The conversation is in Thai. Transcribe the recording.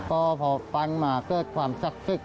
พอฟังมาเกิดความศักดิ์สิทธิ์